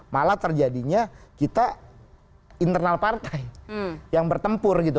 malah terjadinya kita internal partai yang bertempur gitu